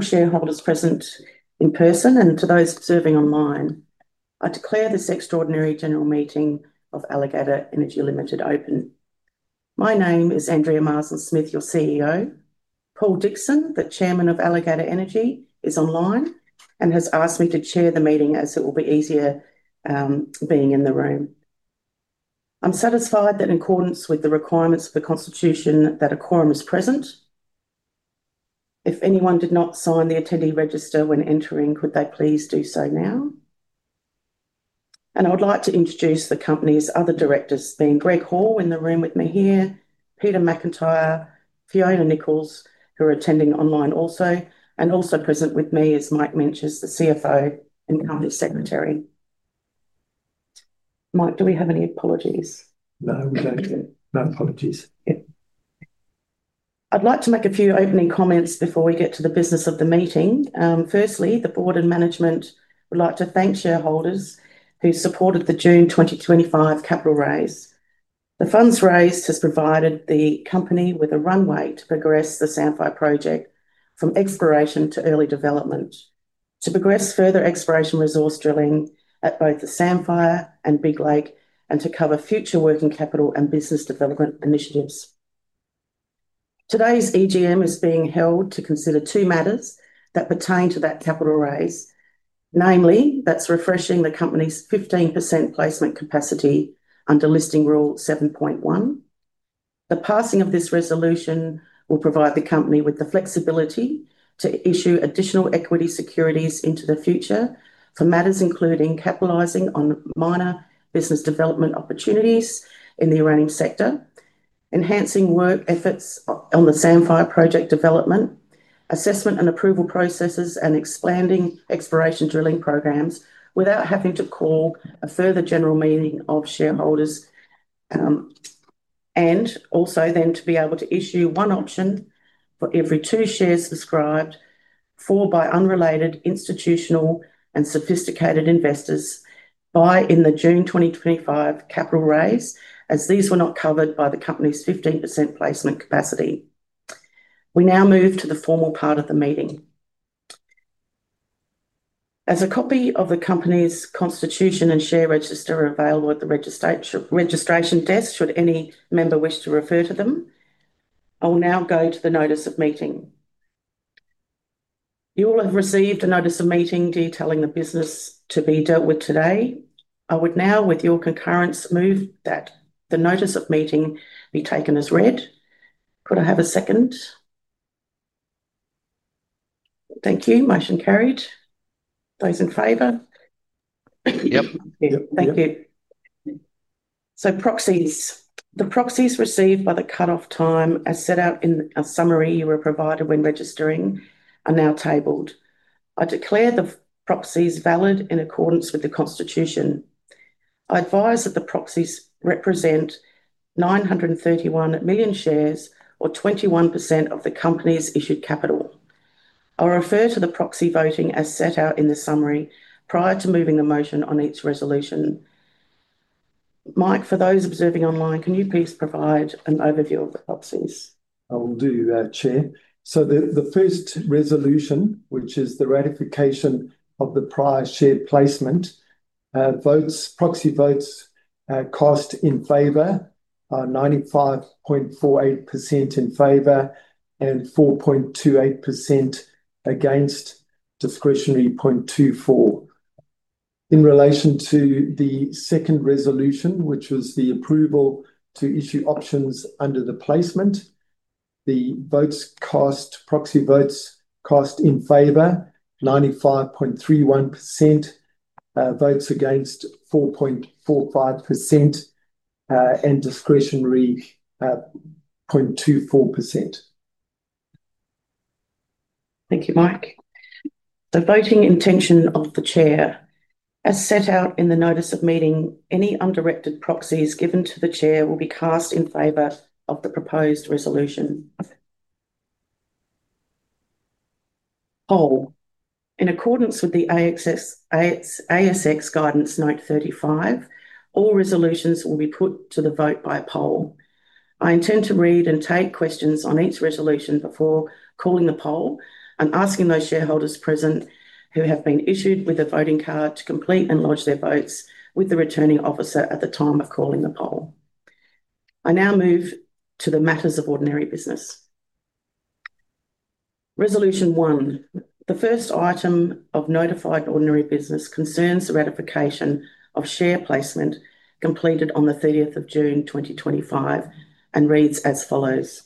We shareholders present in person and to those observing online, I declare this extraordinary general meeting of Alligator Energy Ltd open. My name is Andrea Marsland-Smith, your CEO. Paul Dickson, the Chairman of Alligator Energy, is online and has asked me to chair the meeting as it will be easier being in the room. I'm satisfied that in accordance with the requirements of the Constitution, a quorum is present. If anyone did not sign the attendee register when entering, could they please do so now? I would like to introduce the company's other directors, being Greg Hall in the room with me here, Peter McIntyre, Fiona Nichols, who are attending online also, and also present with me is Mike Meintjes, the CFO, in the Company Secretary. Mike, do we have any apologies? No, we don't have any apologies. I'd like to make a few opening comments before we get to the business of the meeting. Firstly, the Board and Management would like to thank shareholders who supported the June 2025 capital raise. The funds raised have provided the company with a runway to progress the Sandfire project from exploration to early development, to progress further exploration resource drilling at both the Sandfire and Big Lake, and to cover future working capital and business development initiatives. Today's EGM is being held to consider two matters that pertain to that capital raise, namely, that's refreshing the company's 15% placement capacity under Listing Rule 7.1. The passing of this resolution will provide the company with the flexibility to issue additional equity securities into the future for matters including capitalizing on minor business development opportunities in the uranium sector, enhancing work efforts on the Sandfire project development, assessment and approval processes, and expanding exploration drilling programs without having to call a further general meeting of shareholders, and also then to be able to issue one option for every two shares subscribed for by unrelated institutional and sophisticated investors in the June 2025 capital raise, as these were not covered by the company's 15% placement capacity. We now move to the formal part of the meeting. A copy of the company's Constitution and share register are available at the registration desk should any member wish to refer to them. I will now go to the notice of meeting. You will have received the notice of meeting detailing the business to be dealt with today. I would now, with your concurrence, move that the notice of meeting be taken as read. Could I have a second? Thank you. Motion carried. Those in favor? Yep. Thank you. The proxies received by the cut-off time, as set out in a summary you were provided when registering, are now tabled. I declare the proxies valid in accordance with the Constitution. I advise that the proxies represent 931 million shares, or 21% of the company's issued capital. I'll refer to the proxy voting as set out in the summary prior to moving the motion on each resolution. Mike, for those observing online, can you please provide an overview of the proxies? I will do that, Chair. The first resolution, which is the ratification of the prior share placement, proxy votes cast in favor, 95.48% in favor, and 4.28% against, discretionary 0.24%. In relation to the second resolution, which was the approval to issue options under the placement, the votes cast, proxy votes cast in favor, 95.31%, votes against 4.45%, and discretionary 0.24%. Thank you, Mike. The voting intention of the Chair, as set out in the notice of meeting, any undirected proxies given to the Chair will be cast in favor of the proposed resolution. Poll, in accordance with the ASX Guidance Note 35, all resolutions will be put to the vote by poll. I intend to read and take questions on each resolution before calling the poll and asking those shareholders present who have been issued with a voting card to complete and lodge their votes with the returning officer at the time of calling the poll. I now move to the matters of ordinary business. Resolution one, the first item of notified ordinary business concerns the ratification of share placement completed on June 30, 2025, and reads as follows.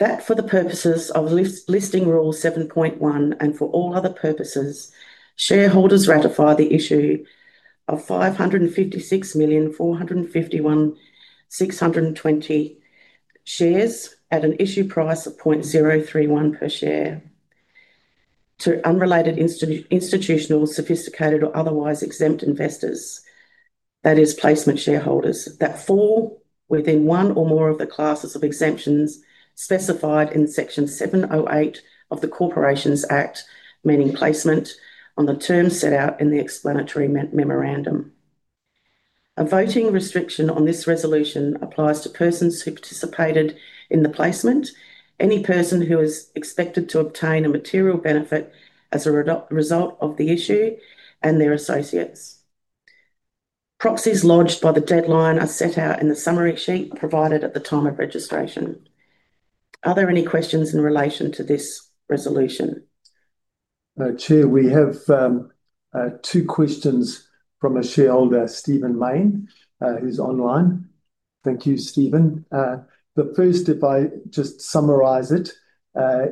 That for the purposes of Listing Rule 7.1 and for all other purposes, shareholders ratify the issue of 556,451,620 shares at an issue price of 0.031 per share to unrelated institutional, sophisticated, or otherwise exempt investors, that is, placement shareholders that fall within one or more of the classes of exemptions specified in section 708 of the Corporations Act, meaning placement on the terms set out in the explanatory memorandum. A voting restriction on this resolution applies to persons who participated in the placement, any person who is expected to obtain a material benefit as a result of the issue, and their associates. Proxies lodged by the deadline are set out in the summary sheet provided at the time of registration. Are there any questions in relation to this resolution? Chair, we have two questions from a shareholder, Stephen Main, who's online. Thank you, Stephen. The first, if I just summarise it,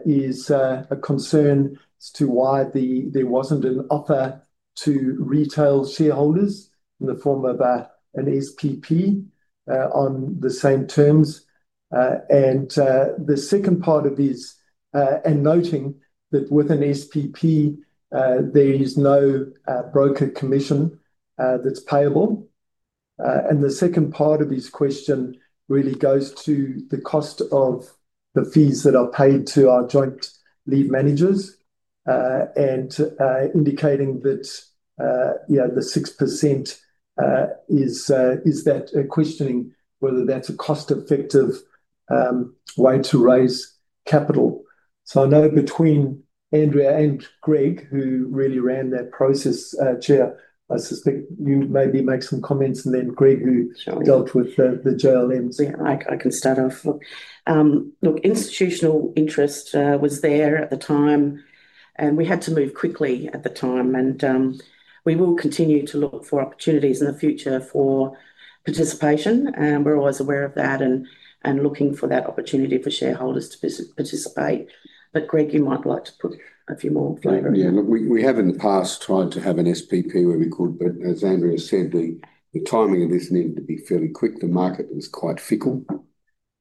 is a concern as to why there wasn't an offer to retail shareholders in the form of an STP on the same terms. The second part of this, and noting that with an STP, there is no broker commission that's payable, really goes to the cost of the fees that are paid to our joint lead managers and indicating that, you know, the 6% is that questioning whether that's a cost-effective way to raise capital. I know between Andrea and Greg, who really ran that process, Chair, I suspect you maybe make some comments and then Greg, who dealt with the JLMs. Yeah, I can start off. Look, institutional interest was there at the time, and we had to move quickly at the time. We will continue to look for opportunities in the future for participation, and we're always aware of that and looking for that opportunity for shareholders to participate. Greg, you might like to put a few more flavors. Yeah, look, we have in the past tried to have an STP where we could, but as Andrea said, the timing of this needed to be fairly quick. The market was quite fickle,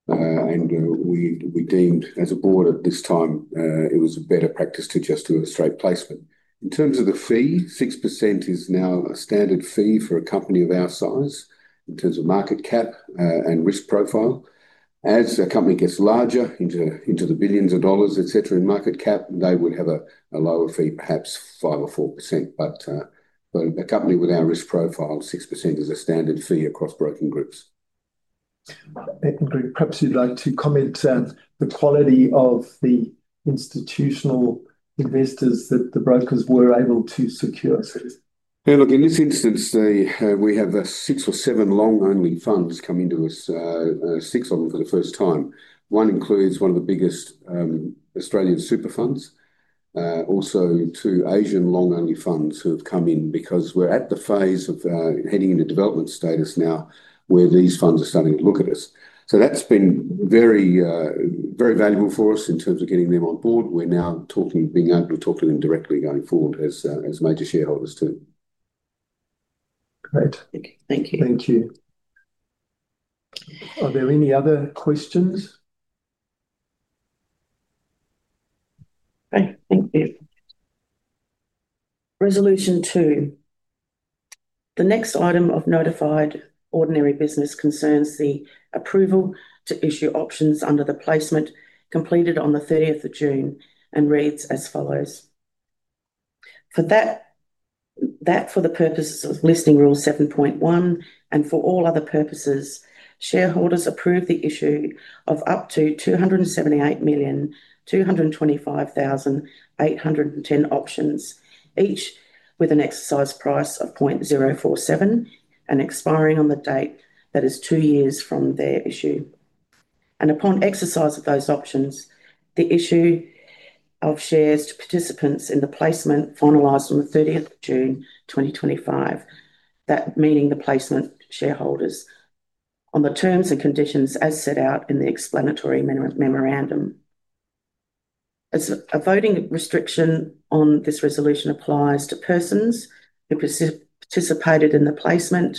and we deemed as a board at this time it was a better practice to just do a straight placement. In terms of the fee, 6% is now a standard fee for a company of our size in terms of market cap and risk profile. As a company gets larger into the billions of dollars, et cetera, in market cap, they would have a lower fee, perhaps 5% or 4%. A company with our risk profile, 6% is a standard fee across broker groups. Greg, perhaps you'd like to comment on the quality of the institutional investors that the brokers were able to secure. In this instance, we have the six or seven long-only funds come into us, six of them for the first time. One includes one of the biggest Australian super funds, also two Asian long-only funds who have come in because we're at the phase of heading into development status now where these funds are starting to look at us. That's been very, very valuable for us in terms of getting them on board. We're now talking, being able to talk to them directly going forward as major shareholders too. Great. Thank you. Thank you. Are there any other questions? Okay, thank you. Resolution two. The next item of notified ordinary business concerns the approval to issue options under the placement completed on the 30th of June and reads as follows. For the purposes of Listing Rule 7.1 and for all other purposes, shareholders approve the issue of up to 278,225,810 options, each with an exercise price of 0.047 and expiring on the date that is two years from their issue. Upon exercise of those options, the issue of shares to participants in the placement finalized on 30th of June, 2025, that meaning the placement shareholders, on the terms and conditions as set out in the explanatory memorandum. As a voting restriction on this resolution applies to persons who participated in the placement,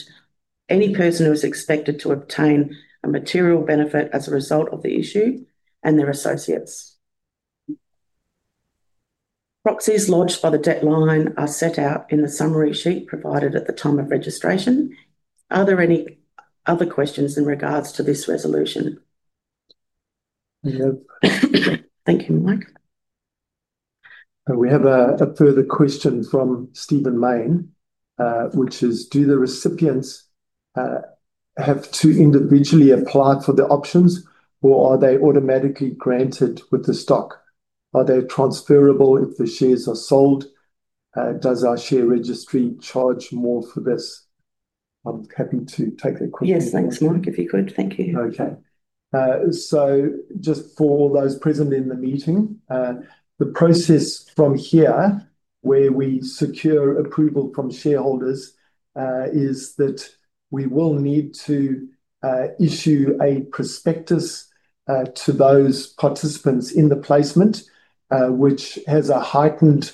any person who is expected to obtain a material benefit as a result of the issue, and their associates. Proxies lodged by the deadline are set out in the summary sheet provided at the time of registration. Are there any other questions in regards to this resolution? No. Thank you, Mike. We have a further question from Stephen Main, which is, do the recipients have to individually apply for the options, or are they automatically granted with the stock? Are they transferable if the shares are sold? Does our share registry charge more for this? I'm happy to take that question. Yes, thanks, Mike, if you could. Thank you. Okay. Just for those present in the meeting, the process from here where we secure approval from shareholders is that we will need to issue a prospectus to those participants in the placement, which has a heightened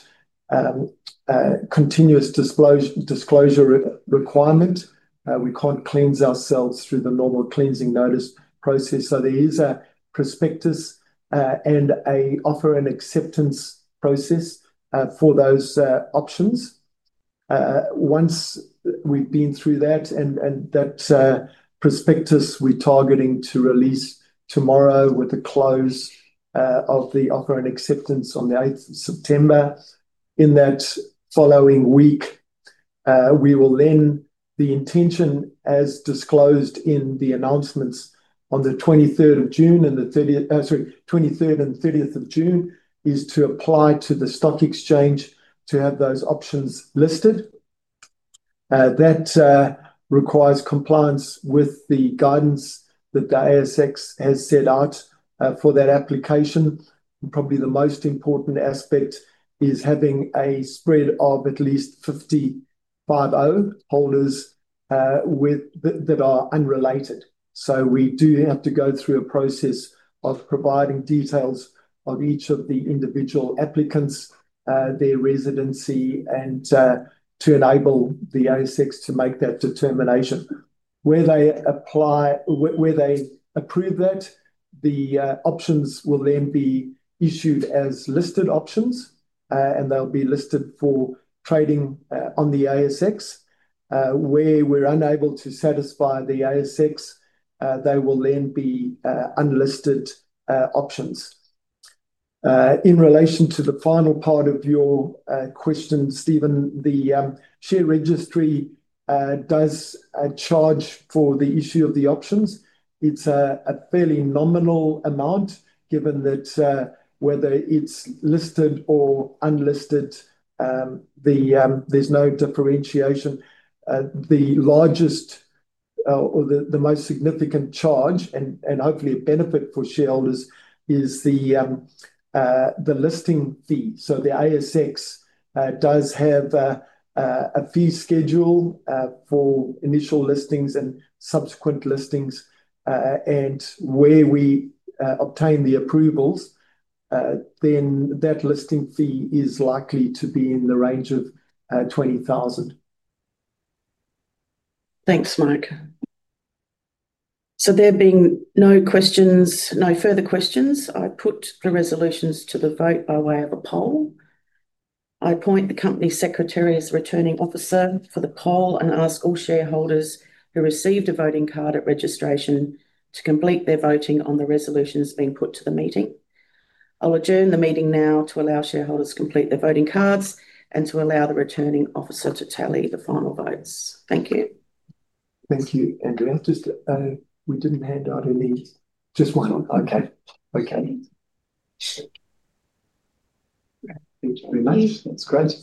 continuous disclosure requirement. We can't cleanse ourselves through the normal cleansing notice process. There is a prospectus and an offer and acceptance process for those options. Once we've been through that, and that's a prospectus we're targeting to release tomorrow with a close of the offer and acceptance on the 8th of September, in that following week, the intention as disclosed in the announcements on the 23rd and 30th of June is to apply to the stock exchange to have those options listed. That requires compliance with the guidance that the ASX has set out for that application. Probably the most important aspect is having a spread of at least 50 holders that are unrelated. We do have to go through a process of providing details of each of the individual applicants, their residency, and to enable the ASX to make that determination. Where they approve that, the options will then be issued as listed options, and they'll be listed for trading on the ASX. Where we're unable to satisfy the ASX, they will then be unlisted options. In relation to the final part of your question, Stephen, the share registry does charge for the issue of the options. It's a fairly nominal amount given that whether it's listed or unlisted, there's no differentiation. The largest or the most significant charge, and hopefully a benefit for shareholders, is the listing fee. The ASX does have a fee schedule for initial listings and subsequent listings, and where we obtain the approvals, then that listing fee is likely to be in the range of 20,000. Thanks, Mike. There being no further questions, I put the resolutions to the vote by way of a poll. I appoint the Company Secretary as the returning officer for the poll and ask all shareholders who received a voting card at registration to complete their voting on the resolutions being put to the meeting. I'll adjourn the meeting now to allow shareholders to complete their voting cards and to allow the returning officer to tally the final votes. Thank you. Thank you, Andrea. We didn't hand out any, just one on. Okay. Thanks. Thank you, mate. That's great.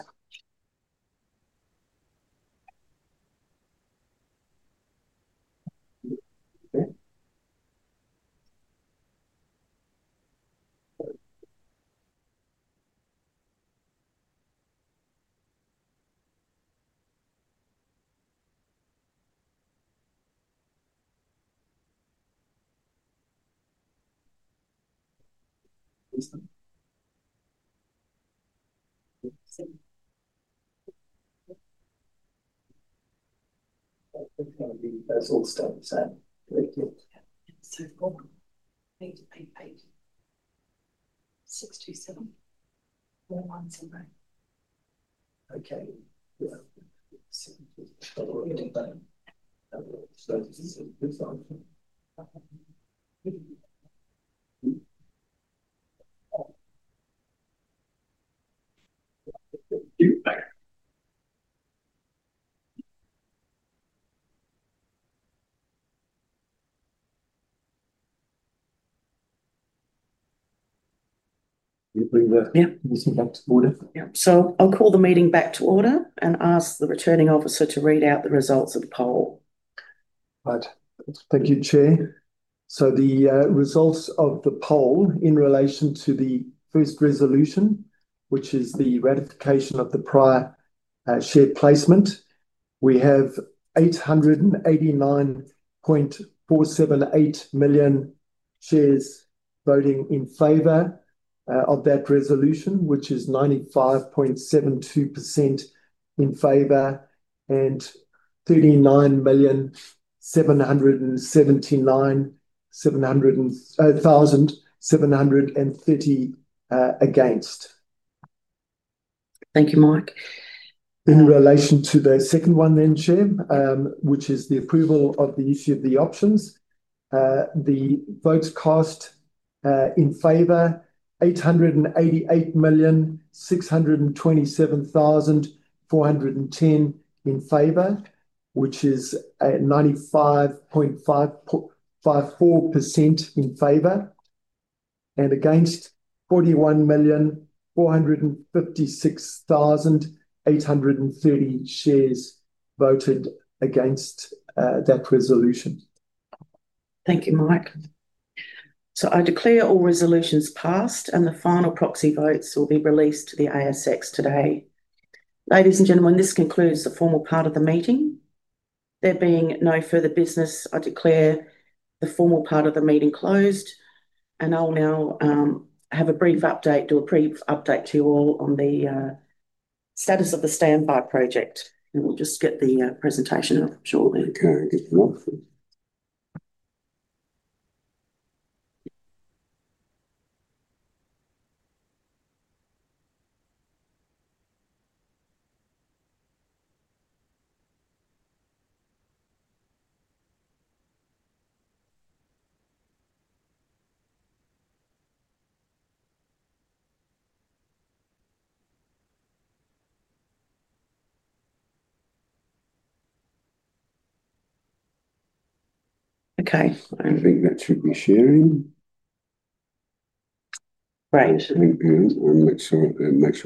It's all staying the same. Yeah. Yeah. Thank you. You bring that. Yeah. This is back to order. I'll call the meeting back to order and ask the Returning Officer to read out the results of the poll. Right. Thank you, Chair. The results of the poll in relation to the first resolution, which is the ratification of the prior share placement, we have 889.478 million shares voting in favor of that resolution, which is 95.72% in favor and 39.779730 million against. Thank you, Mike. In relation to the second one then, Chair, which is the approval of the issue of the options, the votes cast in favor 888,627,410 in favor, which is 95.54% in favor, and against 41,456,830 shares voted against that resolution. Thank you, Mike. I declare all resolutions passed and the final proxy votes will be released to the ASX today. Ladies and gentlemen, this concludes the formal part of the meeting. There being no further business, I declare the formal part of the meeting closed. I'll now have a brief update, do a brief update to you all on the status of the Sandfire project. We'll just get the presentation off. Sure. Turn it off. Okay, I think that should be sharing. Great. Let me make sure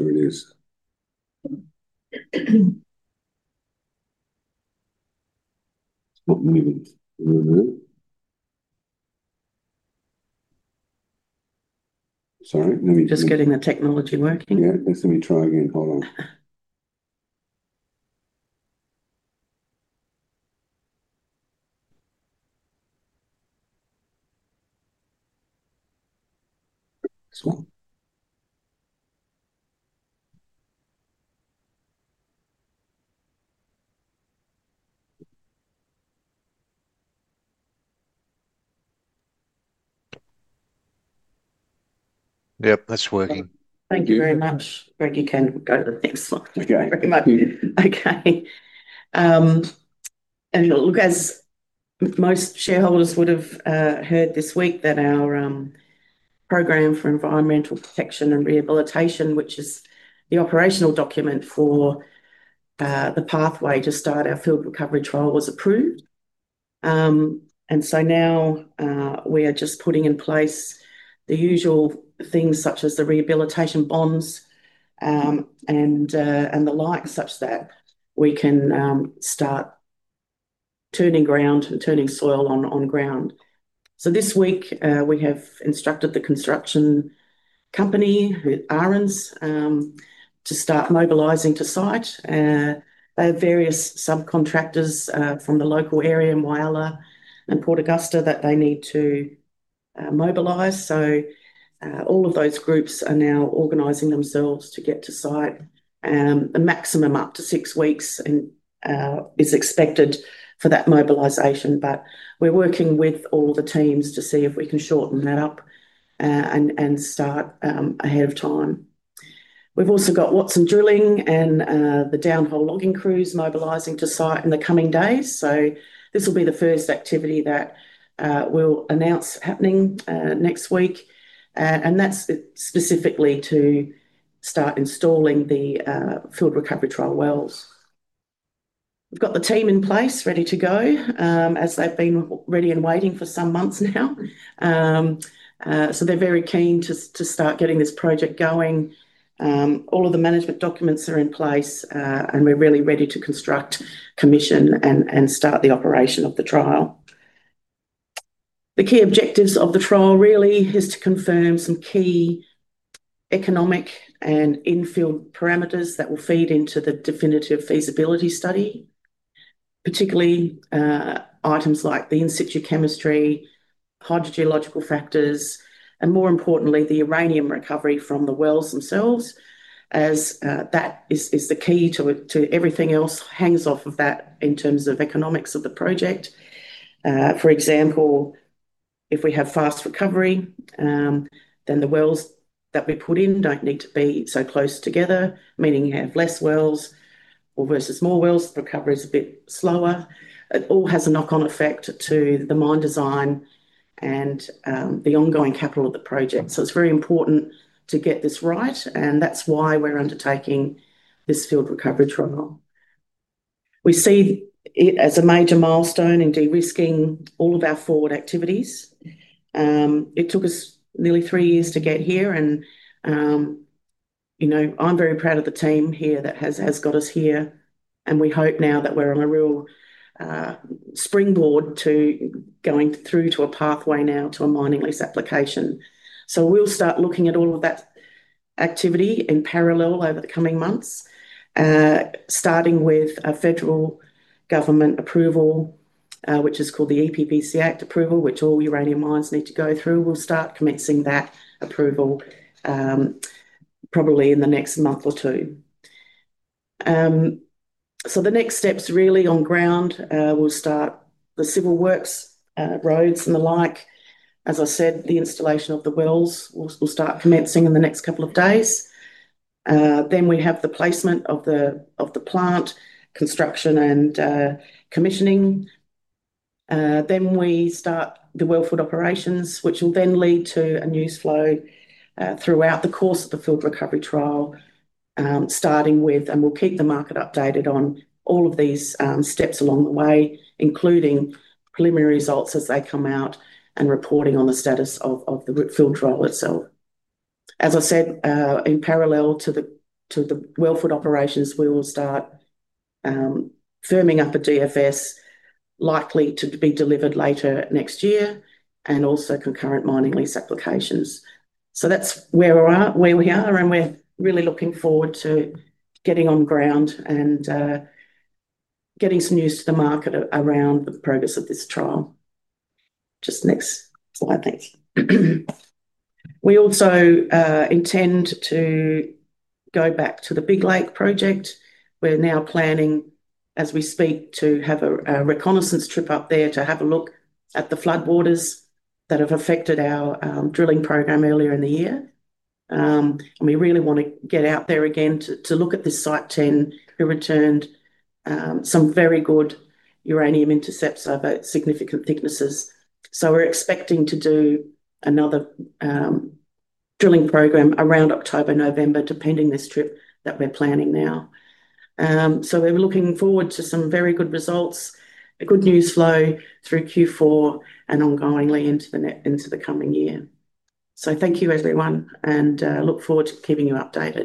it is. Oh, let me wait. Sorry? Let me try. Just getting the technology working. Let me try again. Hold on. Yep, that's working. Thank you very much. Greg, you can go to the next slide. Okay. Thank you very much. Okay. As most shareholders would have heard this week, our Program for Environmental Protection and Rehabilitation, which is the operational document for the pathway to start our field recovery trial, was approved. We are just putting in place the usual things such as the rehabilitation bonds and the like, such that we can start turning ground and turning soil on ground. This week, we have instructed the construction company, Ahrens, to start mobilizing to site. They have various subcontractors from the local area in Wylie and Port Augusta that they need to mobilize. All of those groups are now organizing themselves to get to site. The maximum up to six weeks is expected for that mobilization, but we're working with all the teams to see if we can shorten that up and start ahead of time. We've also got Watson Drilling and the Down Hole Logging Crews mobilizing to site in the coming days. This will be the first activity that we'll announce happening next week, and that's specifically to start installing the field recovery trial wells. We've got the team in place ready to go as they've been ready and waiting for some months now. They're very keen to start getting this project going. All of the management documents are in place and we're really ready to construct, commission, and start the operation of the trial. The key objectives of the trial really are to confirm some key economic and infield parameters that will feed into the definitive feasibility study, particularly items like the in-situ chemistry, hydrogeological factors, and more importantly, the uranium recovery from the wells themselves, as that is the key to everything else that hangs off of that in terms of economics of the project. For example, if we have fast recovery, then the wells that we put in don't need to be so close together, meaning you have fewer wells versus more wells if the recovery is a bit slower. It all has a knock-on effect to the mine design and the ongoing capital of the project. It's very important to get this right, and that's why we're undertaking this field recovery trial. We see it as a major milestone in de-risking all of our forward activities. It took us nearly three years to get here, and I'm very proud of the team here that has got us here, and we hope now that we're on a real springboard to going through to a pathway now to a mining lease application. We'll start looking at all of that activity in parallel over the coming months, starting with a federal government approval, which is called the EPBC Act approval, which all uranium mines need to go through. We'll start commencing that approval probably in the next month or two. The next steps really on ground will start the civil works, roads, and the like. As I said, the installation of the wells will start commencing in the next couple of days. We have the placement of the plant, construction, and commissioning. We start the wellfield operations, which will then lead to a news flow throughout the course of the field recovery trial, starting with, and we'll keep the market updated on all of these steps along the way, including preliminary results as they come out and reporting on the status of the field trial itself. As I said, in parallel to the wellfield operations, we will start firming up a definitive feasibility study likely to be delivered later next year and also concurrent mining lease applications. That's where we are, and we're really looking forward to getting on ground and getting some news to the market around the progress of this trial. Next slide, thanks. We also intend to go back to the Big Lake project. We're now planning, as we speak, to have a reconnaissance trip up there to have a look at the flood waters that have affected our drilling program earlier in the year. We really want to get out there again to look at this site 10. We returned some very good uranium intercepts over significant thicknesses. We're expecting to do another drilling program around October, November, depending on this trip that we're planning now. We're looking forward to some very good results, a good news flow through Q4 and ongoingly into the coming year. Thank you, everyone, and look forward to keeping you updated.